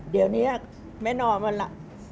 เดี๋ยวเนี้ยแม่น้อมันล่ะ